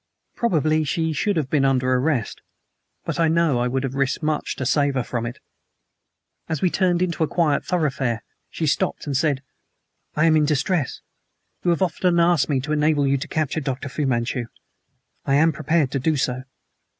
Probably she should have been under arrest, but I know I would have risked much to save her from it. As we turned into a quiet thoroughfare she stopped and said: "I am in distress. You have often asked me to enable you to capture Dr. Fu Manchu. I am prepared to do so."